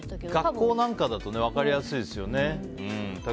学校なんかだと分かりやすいですよね。